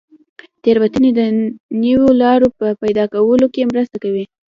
تېروتنې د نویو لارو په پیدا کولو کې مرسته کوي.